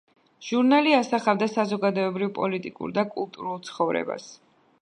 ჟურნალი ასახავდა საზოგადოებრივ-პოლიტიკურ და კულტურულ ცხოვრებას.